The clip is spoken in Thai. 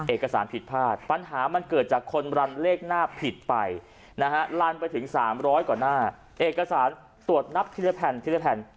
เอกสารผิดพลาดปัญหามันเกิดจากคนรันเลขหน้าผิดไปนะฮะลันไปถึง๓๐๐กว่าหน้าเอกสารตรวจนับทีละแผ่นทีละแผ่น